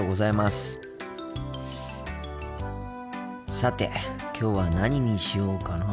さてきょうは何にしようかなあ。